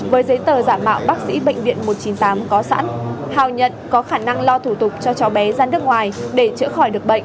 với giấy tờ giả mạo bác sĩ bệnh viện một trăm chín mươi tám có sẵn hào nhận có khả năng lo thủ tục cho cháu bé ra nước ngoài để chữa khỏi được bệnh